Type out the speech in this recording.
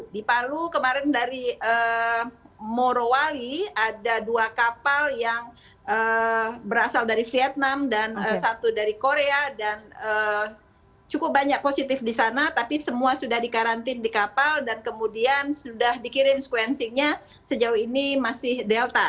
di palu kemarin dari morowali ada dua kapal yang berasal dari vietnam dan satu dari korea dan cukup banyak positif di sana tapi semua sudah dikarantine di kapal dan kemudian sudah dikirim sequencingnya sejauh ini masih delta